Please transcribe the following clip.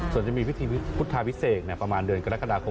ส่วนจะมีพิธีพุทธาพิเศษประมาณเดือนกรกฎาคม